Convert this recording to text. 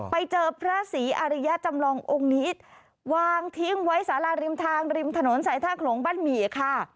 ไปเจอพระศรีอริยจำลององค์นี้วางทิ้งไว้สาราริมทางริมถนนสายท่าโขลงบ้านหมี่ค่ะ